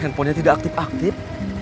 handphonenya tidak aktif aktif